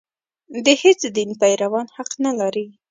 د هېڅ دین پیروان حق نه لري.